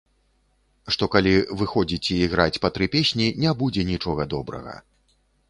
Што калі выходзіць і граць па тры песні, не будзе нічога добрага.